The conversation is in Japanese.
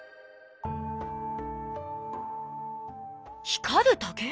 光る竹？